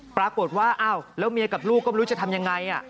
ปรากฏว่าอ้าวแล้วเมียกับลูกก็ไม่รู้จะทำยังไง